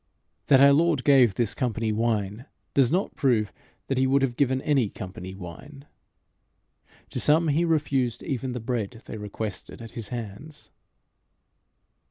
That our Lord gave this company wine, does not prove that he would have given any company wine. To some he refused even the bread they requested at his hands.